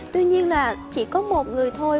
tuy nhiên là chỉ có một người thôi